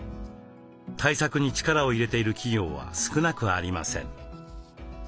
対策に力を入れている企業は少なくありません。